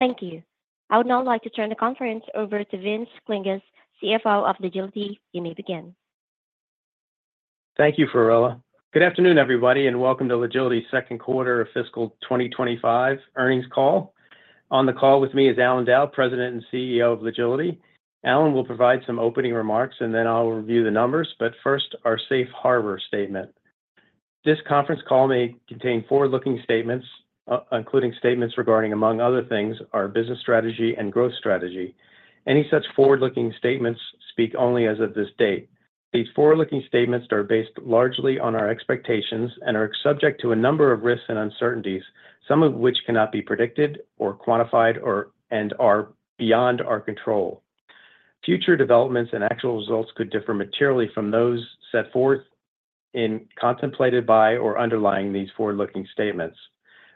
Thank you. I would now like to turn the conference over to Vince Klinges, CFO of Logility. You may begin. Thank you, Farela. Good afternoon, everybody, and welcome to Logility's second quarter of fiscal 2025 earnings call. On the call with me is Allan Dow, President and CEO of Logility. Allan will provide some opening remarks, and then I'll review the numbers, but first, our Safe Harbor statement. This conference call may contain forward-looking statements, including statements regarding, among other things, our business strategy and growth strategy. Any such forward-looking statements speak only as of this date. These forward-looking statements are based largely on our expectations and are subject to a number of risks and uncertainties, some of which cannot be predicted or quantified and are beyond our control. Future developments and actual results could differ materially from those set forth in contemplated by or underlying these forward-looking statements.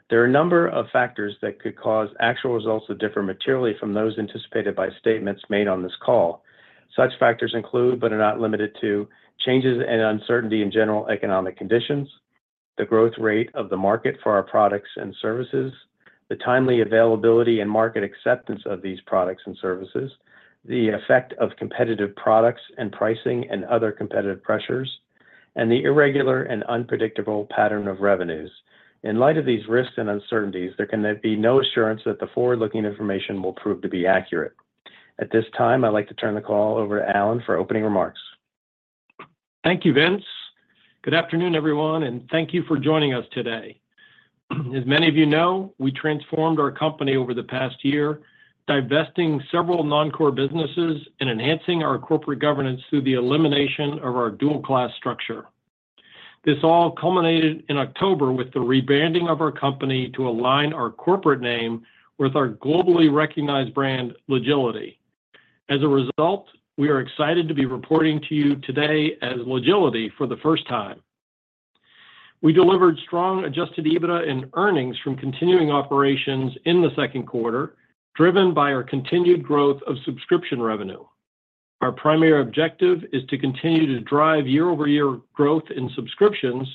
There are a number of factors that could cause actual results to differ materially from those anticipated by statements made on this call. Such factors include, but are not limited to, changes and uncertainty in general economic conditions, the growth rate of the market for our products and services, the timely availability and market acceptance of these products and services, the effect of competitive products and pricing and other competitive pressures, and the irregular and unpredictable pattern of revenues. In light of these risks and uncertainties, there can be no assurance that the forward-looking information will prove to be accurate. At this time, I'd like to turn the call over to Allan for opening remarks. Thank you, Vince. Good afternoon, everyone, and thank you for joining us today. As many of you know, we transformed our company over the past year, divesting several non-core businesses and enhancing our corporate governance through the elimination of our dual-class structure. This all culminated in October with the rebranding of our company to align our corporate name with our globally recognized brand, Logility. As a result, we are excited to be reporting to you today as Logility for the first time. We delivered strong Adjusted EBITDA and earnings from continuing operations in the second quarter, driven by our continued growth of subscription revenue. Our primary objective is to continue to drive year-over-year growth in subscriptions,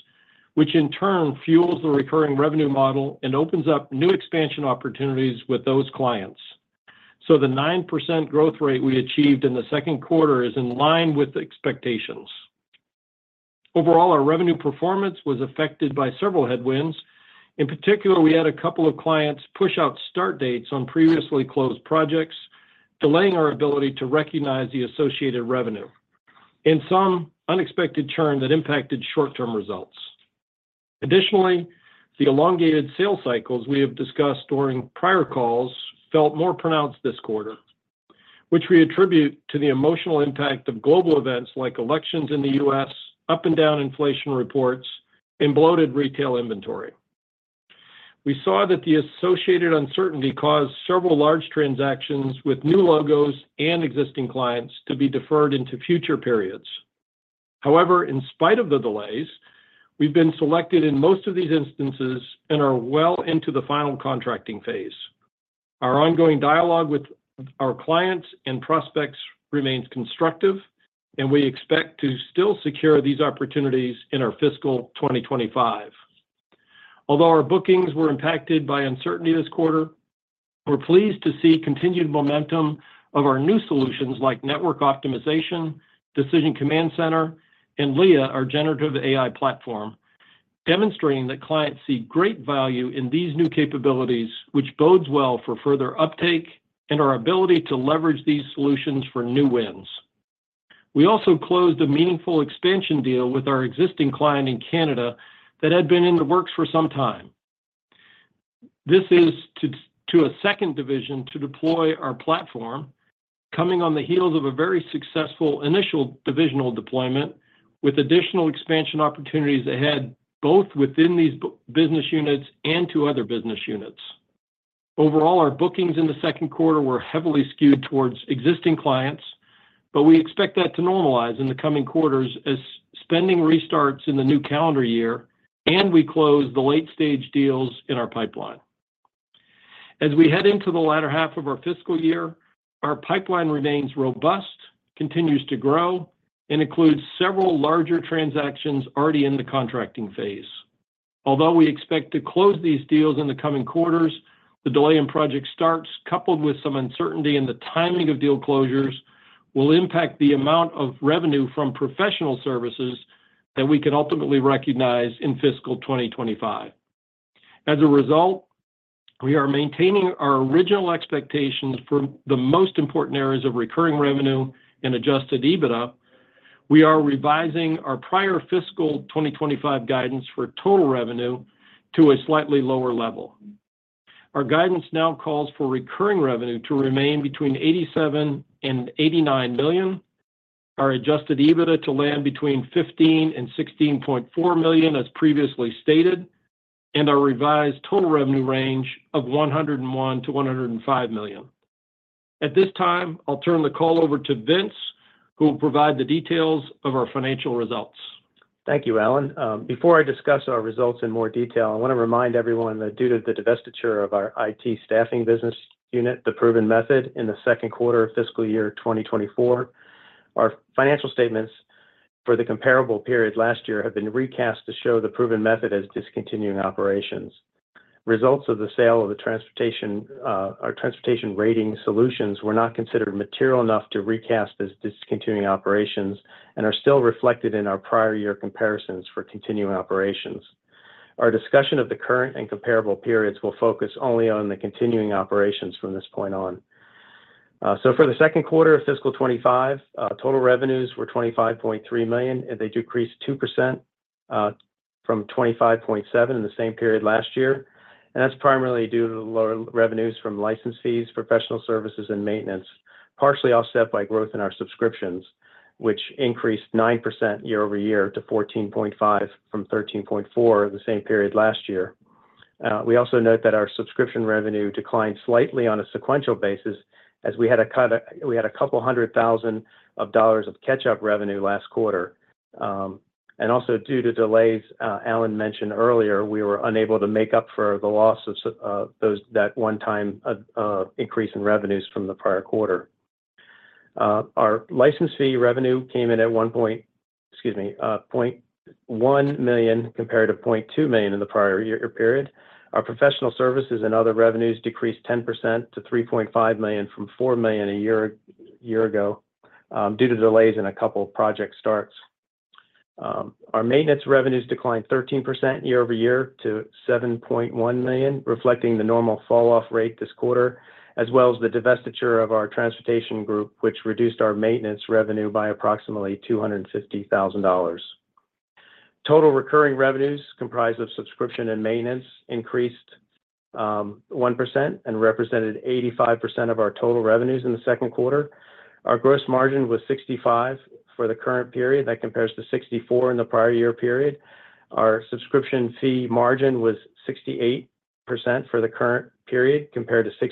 which in turn fuels the recurring revenue model and opens up new expansion opportunities with those clients. So the 9% growth rate we achieved in the second quarter is in line with expectations. Overall, our revenue performance was affected by several headwinds. In particular, we had a couple of clients push out start dates on previously closed projects, delaying our ability to recognize the associated revenue, and some unexpected churn that impacted short-term results. Additionally, the elongated sales cycles we have discussed during prior calls felt more pronounced this quarter, which we attribute to the emotional impact of global events like elections in the U.S., up and down inflation reports, and bloated retail inventory. We saw that the associated uncertainty caused several large transactions with new logos and existing clients to be deferred into future periods. However, in spite of the delays, we've been selected in most of these instances and are well into the final contracting phase. Our ongoing dialogue with our clients and prospects remains constructive, and we expect to still secure these opportunities in our fiscal 2025. Although our bookings were impacted by uncertainty this quarter, we're pleased to see continued momentum of our new solutions like Network Optimization, Decision Command Center, and LeIA, aour generative AI platform, demonstrating that clients see great value in these new capabilities, which bodes well for further uptake and our ability to leverage these solutions for new wins. We also closed a meaningful expansion deal with our existing client in Canada that had been in the works for some time. This is to a second division to deploy our platform, coming on the heels of a very successful initial divisional deployment with additional expansion opportunities ahead, both within these business units and to other business units. Overall, our bookings in the second quarter were heavily skewed towards existing clients, but we expect that to normalize in the coming quarters as spending restarts in the new calendar year and we close the late-stage deals in our pipeline. As we head into the latter half of our fiscal year, our pipeline remains robust, continues to grow, and includes several larger transactions already in the contracting phase. Although we expect to close these deals in the coming quarters, the delay in project starts, coupled with some uncertainty in the timing of deal closures, will impact the amount of revenue from professional services that we can ultimately recognize in fiscal 2025. As a result, we are maintaining our original expectations for the most important areas of recurring revenue and Adjusted EBITDA. We are revising our prior fiscal 2025 guidance for total revenue to a slightly lower level. Our guidance now calls for recurring revenue to remain between $87 million and $89 million, our adjusted EBITDA to land between $15 million and $16.4 million, as previously stated, and our revised total revenue range of $101 million to $105 million. At this time, I'll turn the call over to Vince, who will provide the details of our financial results. Thank you, Allan. Before I discuss our results in more detail, I want to remind everyone that due to the divestiture of our IT staffing business unit, The Proven Method, in the second quarter of fiscal year 2024, our financial statements for the comparable period last year have been recast to show The Proven Method as discontinued operations. Results of the sale of our Transportation Rating Solutions were not considered material enough to recast as discontinued operations and are still reflected in our prior year comparisons for continuing operations. Our discussion of the current and comparable periods will focus only on the continuing operations from this point on. So for the second quarter of fiscal 2025, total revenues were $25.3 million, and they decreased 2% from $25.7 million in the same period last year. That's primarily due to lower revenues from license fees, professional services, and maintenance, partially offset by growth in our subscriptions, which increased 9% year-over-year to $14.5 million from $13.4 million in the same period last year. We also note that our subscription revenue declined slightly on a sequential basis as we had $200,000 of catch-up revenue last quarter. Also due to delays Allan mentioned earlier, we were unable to make up for the loss of that one-time increase in revenues from the prior quarter. Our license fee revenue came in at $1.1 million compared to $0.2 million in the prior year period. Our professional services and other revenues decreased 10% to $3.5 million from $4 million a year ago due to delays in a couple of project starts. Our maintenance revenues declined 13% year-over-year to $7.1 million, reflecting the normal falloff rate this quarter, as well as the divestiture of our transportation group, which reduced our maintenance revenue by approximately $250,000. Total recurring revenues, comprised of subscription and maintenance, increased 1% and represented 85% of our total revenues in the second quarter. Our gross margin was 65% for the current period. That compares to 64% in the prior year period. Our subscription fee margin was 68% for the current period, compared to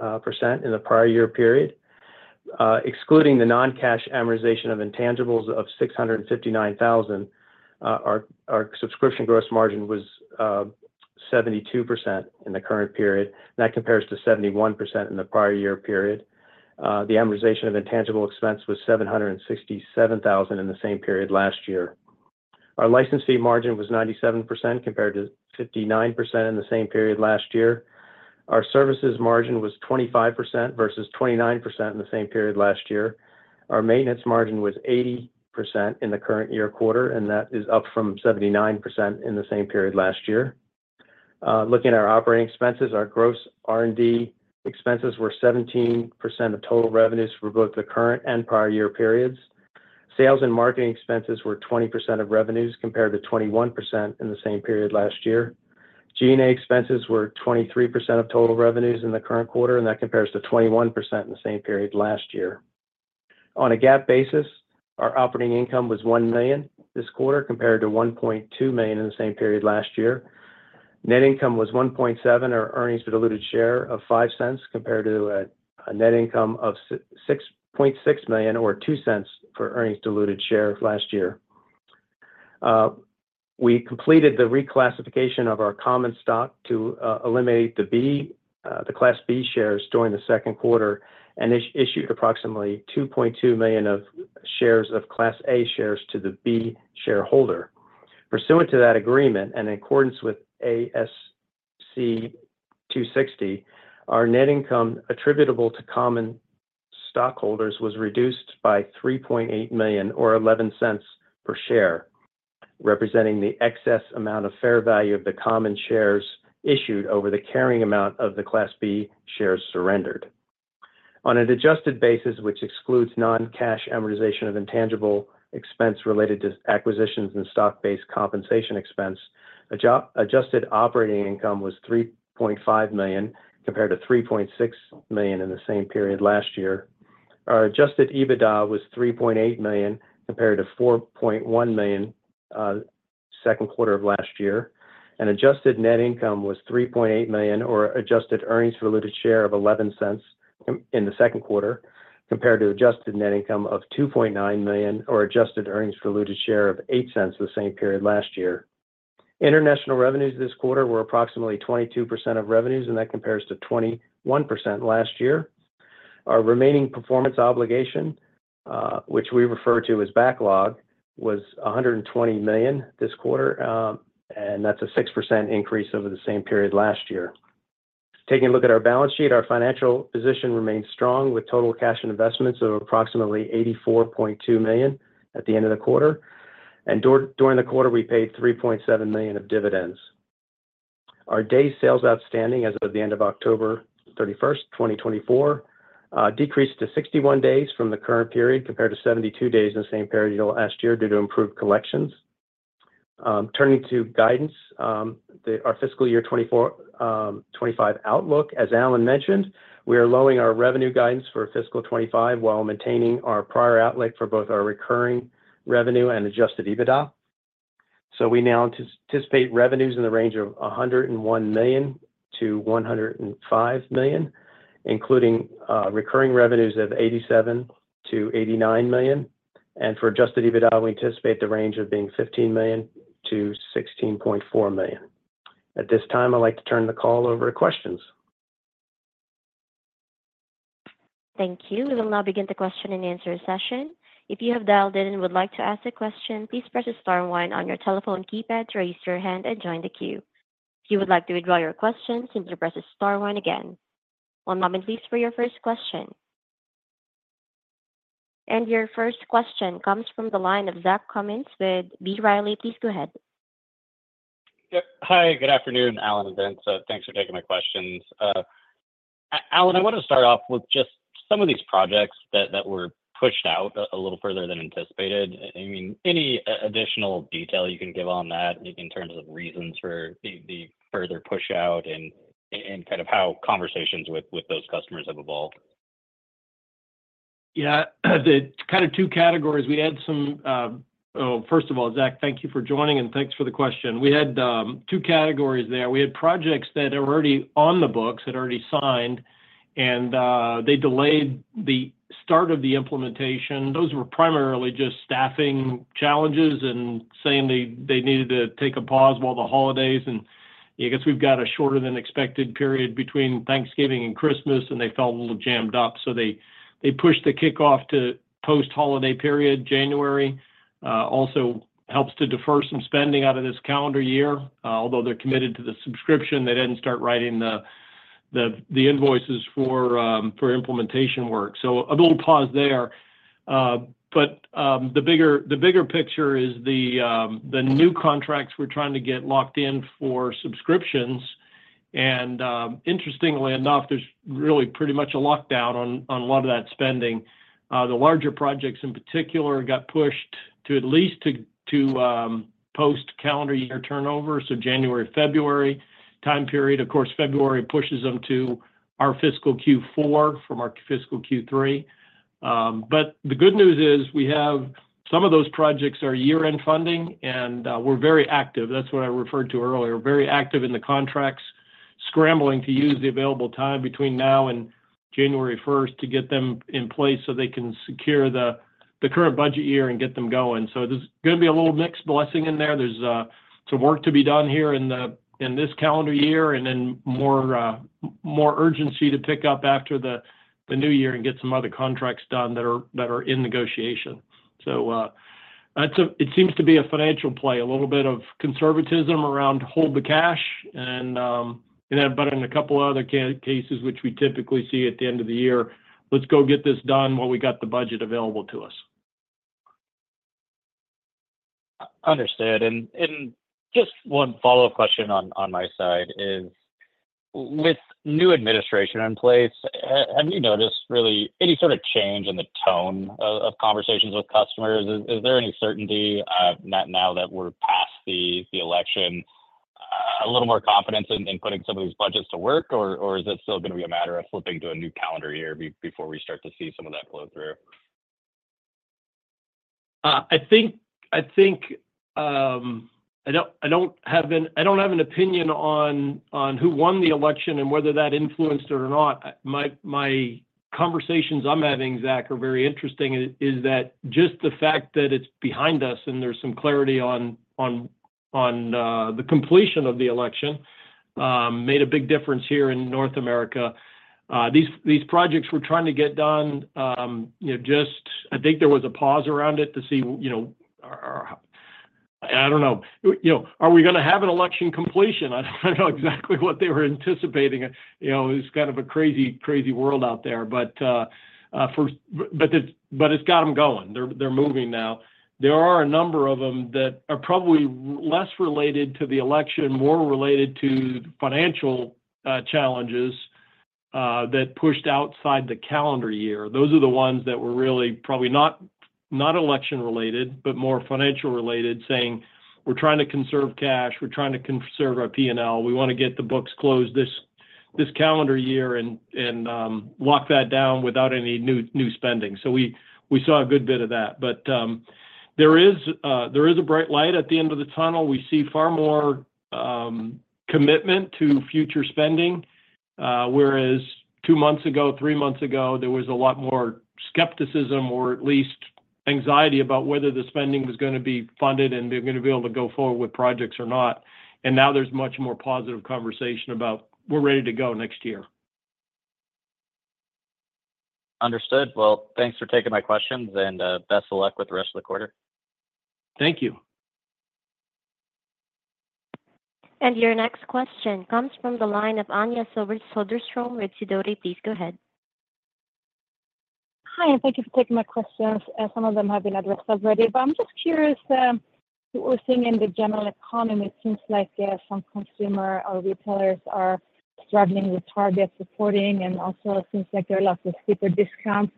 66% in the prior year period. Excluding the non-cash amortization of intangibles of $659,000, our subscription gross margin was 72% in the current period. That compares to 71% in the prior year period. The amortization of intangible expense was $767,000 in the same period last year. Our license fee margin was 97% compared to 59% in the same period last year. Our services margin was 25% versus 29% in the same period last year. Our maintenance margin was 80% in the current year quarter, and that is up from 79% in the same period last year. Looking at our operating expenses, our gross R&D expenses were 17% of total revenues for both the current and prior year periods. Sales and marketing expenses were 20% of revenues compared to 21% in the same period last year. G&A expenses were 23% of total revenues in the current quarter, and that compares to 21% in the same period last year. On a GAAP basis, our operating income was $1 million this quarter compared to $1.2 million in the same period last year. Net income was $1.7 million or earnings per diluted share of $0.05 compared to a net income of $6.6 million or $0.02 for earnings diluted share last year. We completed the reclassification of our common stock to eliminate the Class B shares during the second quarter and issued approximately 2.2 million shares of Class A shares to the Class B shareholder. Pursuant to that agreement and in accordance with ASC 260, our net income attributable to common stockholders was reduced by $3.8 million or $0.11 per share, representing the excess amount of fair value of the common shares issued over the carrying amount of the Class B shares surrendered. On an adjusted basis, which excludes non-cash amortization of intangible expense related to acquisitions and stock-based compensation expense, adjusted operating income was $3.5 million compared to $3.6 million in the same period last year. Our adjusted EBITDA was $3.8 million compared to $4.1 million second quarter of last year. Adjusted net income was $3.8 million or adjusted diluted earnings per share of $0.11 in the second quarter compared to adjusted net income of $2.9 million or adjusted diluted earnings per share of $0.08 the same period last year. International revenues this quarter were approximately 22% of revenues, and that compares to 21% last year. Our remaining performance obligation, which we refer to as backlog, was $120 million this quarter, and that's a 6% increase over the same period last year. Taking a look at our balance sheet, our financial position remains strong with total cash investments of approximately $84.2 million at the end of the quarter. During the quarter, we paid $3.7 million of dividends. Our days sales outstanding as of the end of October 31st, 2024, decreased to 61 days from the current period compared to 72 days in the same period last year due to improved collections. Turning to guidance, our fiscal year 25 outlook, as Allan mentioned, we are lowering our revenue guidance for fiscal 25 while maintaining our prior outlook for both our Recurring Revenue and Adjusted EBITDA. So we now anticipate revenues in the range of $101 million-$105 million, including Recurring Revenues of $87 million-$89 million. And for Adjusted EBITDA, we anticipate the range of being $15 million-$16.4 million. At this time, I'd like to turn the call over to questions. Thank you. We will now begin the question and answer session. If you have dialed in and would like to ask a question, please press the star one on your telephone keypad to raise your hand and join the queue. If you would like to withdraw your question, simply press the star one again. One moment, please, for your first question, and your first question comes from the line of Zach Cummins with B. Riley. Please go ahead. Hi, good afternoon, Allan and Vince. Thanks for taking my questions. Allan, I want to start off with just some of these projects that were pushed out a little further than anticipated. I mean, any additional detail you can give on that in terms of reasons for the further push-out and kind of how conversations with those customers have evolved? Yeah, the kind of two categories. We had some, well, first of all, Zach, thank you for joining and thanks for the question. We had two categories there. We had projects that are already on the books, had already signed, and they delayed the start of the implementation. Those were primarily just staffing challenges and saying they needed to take a pause while the holidays, and I guess we've got a shorter-than-expected period between Thanksgiving and Christmas, and they felt a little jammed up, so they pushed the kickoff to post-holiday period, January. Also helps to defer some spending out of this calendar year. Although they're committed to the subscription, they didn't start writing the invoices for implementation work, so a little pause there, but the bigger picture is the new contracts we're trying to get locked in for subscriptions. And interestingly enough, there's really pretty much a lockdown on a lot of that spending. The larger projects in particular got pushed to at least post-calendar year turnover, so January, February time period. Of course, February pushes them to our fiscal Q4 from our fiscal Q3. But the good news is we have some of those projects are year-end funding, and we're very active. That's what I referred to earlier. Very active in the contracts, scrambling to use the available time between now and January 1st to get them in place so they can secure the current budget year and get them going. So there's going to be a little mixed blessing in there. There's some work to be done here in this calendar year and then more urgency to pick up after the new year and get some other contracts done that are in negotiation. So, it seems to be a financial play, a little bit of conservatism around hold the cash. And then, in a couple of other cases, which we typically see at the end of the year, let's go get this done while we got the budget available to us. Understood. And just one follow-up question on my side is, with new administration in place, have you noticed really any sort of change in the tone of conversations with customers? Is there any certainty now that we're past the election, a little more confidence in putting some of these budgets to work, or is it still going to be a matter of flipping to a new calendar year before we start to see some of that flow through? I think I don't have an opinion on who won the election and whether that influenced it or not. My conversations I'm having, Zach, are very interesting is that just the fact that it's behind us and there's some clarity on the completion of the election made a big difference here in North America. These projects we're trying to get done, just I think there was a pause around it to see, I don't know. Are we going to have an election completion? I don't know exactly what they were anticipating. It's kind of a crazy, crazy world out there. But it's got them going. They're moving now. There are a number of them that are probably less related to the election, more related to financial challenges that pushed outside the calendar year. Those are the ones that were really probably not election-related, but more financial-related, saying, "We're trying to conserve cash. We're trying to conserve our P&L. We want to get the books closed this calendar year and lock that down without any new spending." So we saw a good bit of that. But there is a bright light at the end of the tunnel. We see far more commitment to future spending, whereas two months ago, three months ago, there was a lot more skepticism or at least anxiety about whether the spending was going to be funded and they're going to be able to go forward with projects or not. And now there's much more positive conversation about, "We're ready to go next year. Understood. Well, thanks for taking my questions and best of luck with the rest of the quarter. Thank you. And your next question comes from the line of Anja Soderstrom with Sidoti. Please go ahead. Hi, and thank you for taking my questions. Some of them have been addressed already, but I'm just curious, we're seeing in the general economy, it seems like some consumers or retailers are struggling with Target Corporation, and also it seems like there are lots of steeper discounts.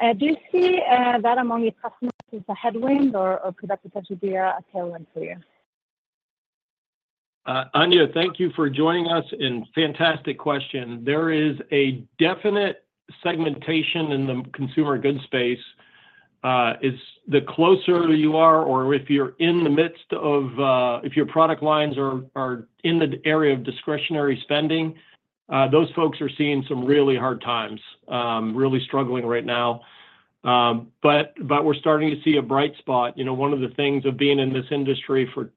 Do you see that among your customers as a headwind, or could that potentially be a tailwind for you? Anja, thank you for joining us and fantastic question. There is a definite segmentation in the consumer goods space. The closer you are or if you're in the midst of—if your product lines are in the area of discretionary spending, those folks are seeing some really hard times, really struggling right now, but we're starting to see a bright spot. One of the things of being in this industry for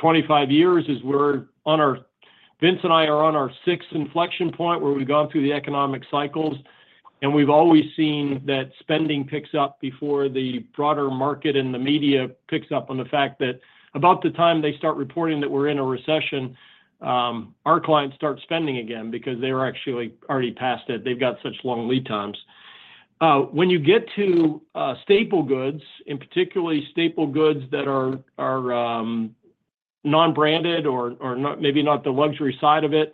25 years is we're on our—Vince and I are on our sixth inflection point where we've gone through the economic cycles, and we've always seen that spending picks up before the broader market and the media picks up on the fact that about the time they start reporting that we're in a recession, our clients start spending again because they were actually already past it. They've got such long lead times. When you get to staple goods, in particular staple goods that are non-branded or maybe not the luxury side of it,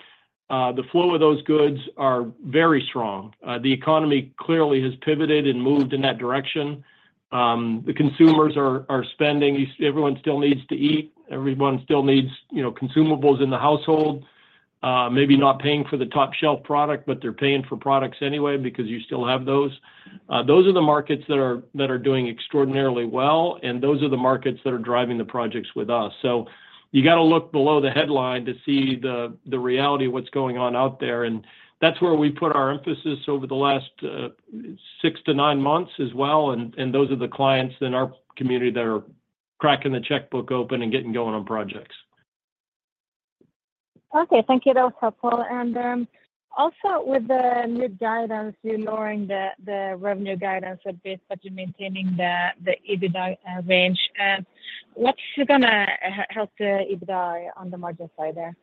the flow of those goods is very strong. The economy clearly has pivoted and moved in that direction. The consumers are spending. Everyone still needs to eat. Everyone still needs consumables in the household. Maybe not paying for the top-shelf product, but they're paying for products anyway because you still have those. Those are the markets that are doing extraordinarily well, and those are the markets that are driving the projects with us, so you got to look below the headline to see the reality of what's going on out there, and that's where we put our emphasis over the last six to nine months as well, and those are the clients in our community that are cracking the checkbook open and getting going on projects. Okay. Thank you. That was helpful. And also with the new guidance, you're lowering the revenue guidance a bit but maintaining the EBITDA range. What's going to help the EBITDA on the margin side there?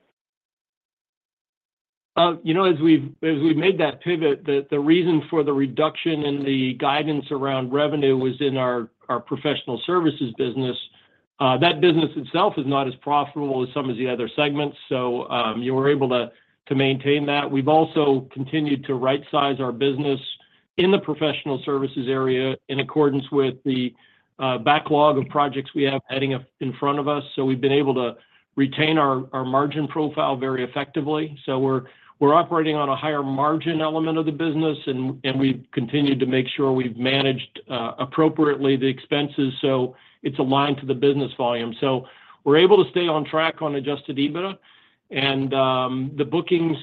As we've made that pivot, the reason for the reduction in the guidance around revenue was in our professional services business. That business itself is not as profitable as some of the other segments. So we're able to maintain that. We've also continued to right-size our business in the professional services area in accordance with the backlog of projects we have heading in front of us. So we've been able to retain our margin profile very effectively. So we're operating on a higher margin element of the business, and we've continued to make sure we've managed appropriately the expenses so it's aligned to the business volume. So we're able to stay on track on Adjusted EBITDA. The bookings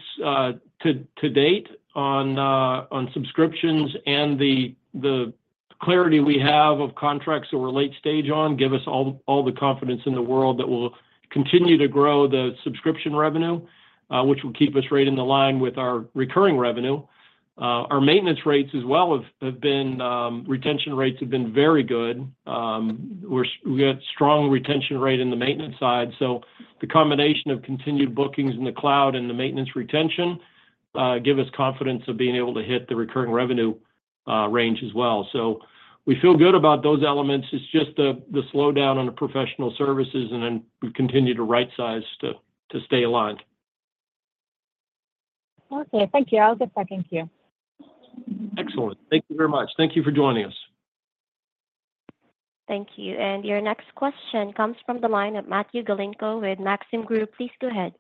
to date on subscriptions and the clarity we have of contracts that we're late stage on give us all the confidence in the world that we'll continue to grow the subscription revenue, which will keep us right in the line with our recurring revenue. Our maintenance retention rates as well have been very good. We've got a strong retention rate on the maintenance side. The combination of continued bookings in the cloud and the maintenance retention gives us confidence of being able to hit the recurring revenue range as well. We feel good about those elements. It's just the slowdown on the professional services, and then we continue to right-size to stay aligned. Okay. Thank you. I'll get back in here. Excellent. Thank you very much. Thank you for joining us. Thank you. And your next question comes from the line of Matthew Galinko with Maxim Group. Please go ahead.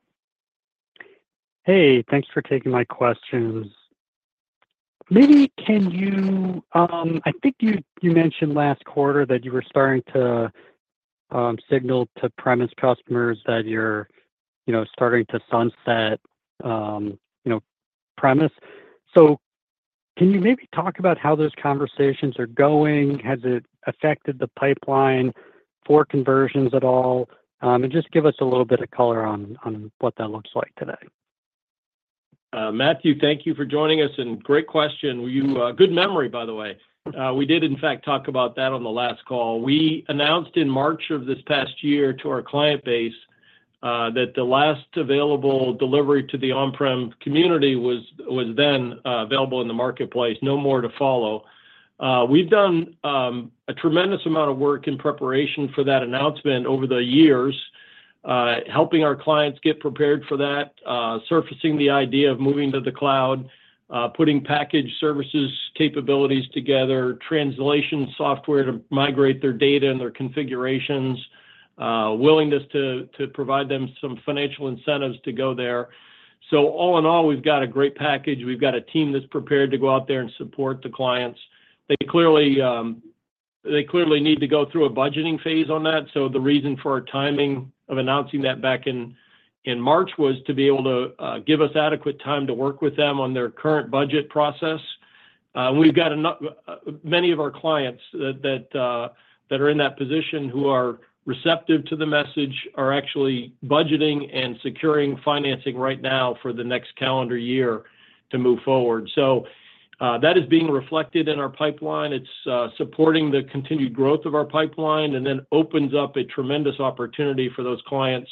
Hey, thanks for taking my questions. Maybe can you. I think you mentioned last quarter that you were starting to signal to on-premise customers that you're starting to sunset on-premise. So can you maybe talk about how those conversations are going? Has it affected the pipeline for conversions at all? And just give us a little bit of color on what that looks like today. Matthew, thank you for joining us. And great question. Good memory, by the way. We did, in fact, talk about that on the last call. We announced in March of this past year to our client base that the last available delivery to the on-prem community was then available in the marketplace. No more to follow. We've done a tremendous amount of work in preparation for that announcement over the years, helping our clients get prepared for that, surfacing the idea of moving to the cloud, putting package services capabilities together, translation software to migrate their data and their configurations, willingness to provide them some financial incentives to go there. So all in all, we've got a great package. We've got a team that's prepared to go out there and support the clients. They clearly need to go through a budgeting phase on that. So the reason for our timing of announcing that back in March was to be able to give us adequate time to work with them on their current budget process. And we've got many of our clients that are in that position who are receptive to the message, are actually budgeting and securing financing right now for the next calendar year to move forward. So that is being reflected in our pipeline. It's supporting the continued growth of our pipeline and then opens up a tremendous opportunity for those clients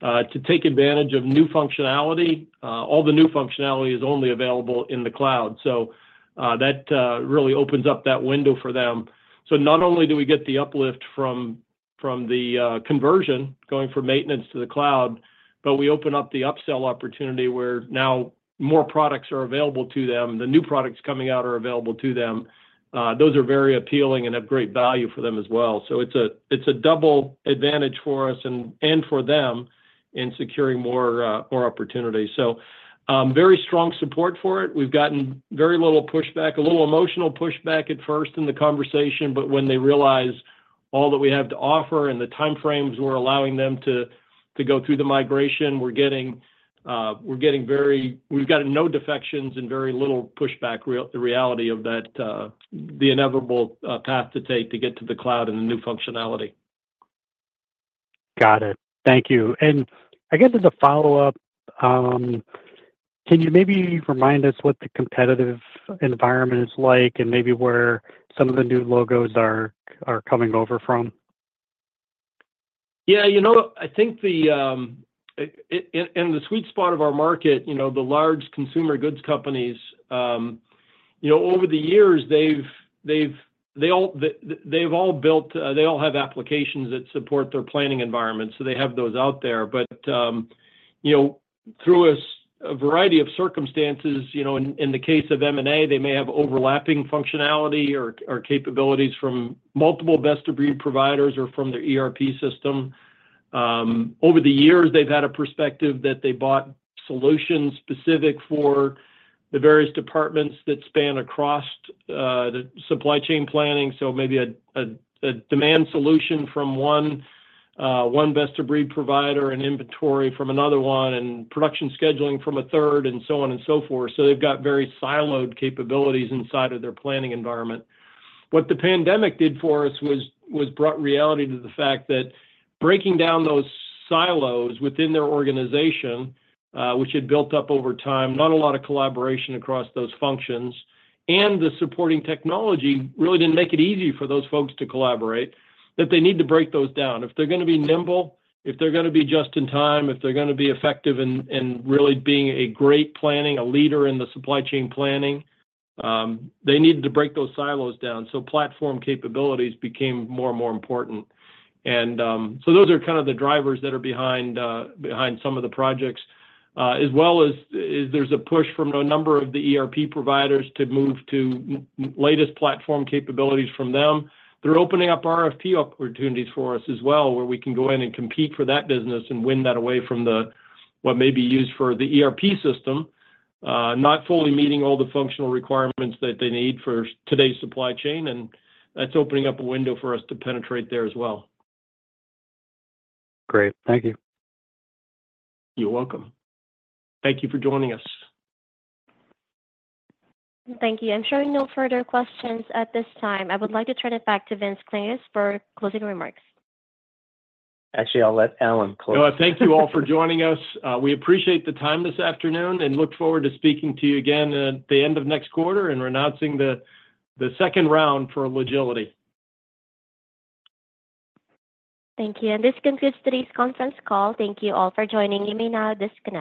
to take advantage of new functionality. All the new functionality is only available in the cloud. So that really opens up that window for them. So not only do we get the uplift from the conversion going from maintenance to the cloud, but we open up the upsell opportunity where now more products are available to them. The new products coming out are available to them. Those are very appealing and have great value for them as well. So it's a double advantage for us and for them in securing more opportunity. So very strong support for it. We've gotten very little pushback, a little emotional pushback at first in the conversation, but when they realize all that we have to offer and the timeframes we're allowing them to go through the migration, we're getting very, we've got no defections and very little pushback. The reality of the inevitable path to take to get to the cloud and the new functionality. Got it. Thank you. And I guess as a follow-up, can you maybe remind us what the competitive environment is like and maybe where some of the new logos are coming over from? Yeah. I think in the sweet spot of our market, the large consumer goods companies, over the years, they've all built, they all have applications that support their planning environments. So they have those out there. But through a variety of circumstances, in the case of M&A, they may have overlapping functionality or capabilities from multiple best-of-breed providers or from their ERP system. Over the years, they've had a perspective that they bought solutions specific for the various departments that span across the supply chain planning. So maybe a demand solution from one best-of-breed provider, an inventory from another one, and production scheduling from a third, and so on and so forth. So they've got very siloed capabilities inside of their planning environment. What the pandemic did for us was brought reality to the fact that breaking down those silos within their organization, which had built up over time, not a lot of collaboration across those functions, and the supporting technology really didn't make it easy for those folks to collaborate, that they need to break those down. If they're going to be nimble, if they're going to be just in time, if they're going to be effective in really being a great planning, a leader in the supply chain planning, they needed to break those silos down so platform capabilities became more and more important and so those are kind of the drivers that are behind some of the projects, as well as there's a push from a number of the ERP providers to move to latest platform capabilities from them. They're opening up RFP opportunities for us as well, where we can go in and compete for that business and win that away from what may be used for the ERP system, not fully meeting all the functional requirements that they need for today's supply chain, and that's opening up a window for us to penetrate there as well. Great. Thank you. You're welcome. Thank you for joining us. Thank you. I'm sure no further questions at this time. I would like to turn it back to Vince Klinges for closing remarks. Actually, I'll let Allan close. Thank you all for joining us. We appreciate the time this afternoon and look forward to speaking to you again at the end of next quarter and announcing the second round for Logility. Thank you. And this concludes today's conference call. Thank you all for joining. You may now disconnect.